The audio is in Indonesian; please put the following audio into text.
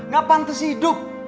gak pantas hidup